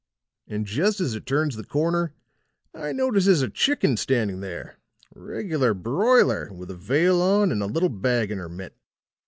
And just as it turns the corner I notices a chicken standing there regular broiler with a veil on and a little bag in her mit.